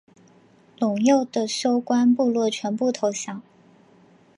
陇右的休官部落全部投降。